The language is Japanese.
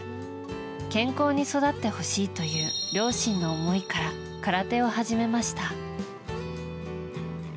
健康に育ってほしいという両親の思いから空手を始めました。